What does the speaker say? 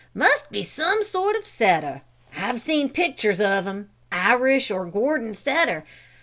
Must be some sort of a setter! I've seen pictures of 'em Irish or Gordon setter!